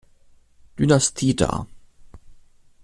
Dynastie dar.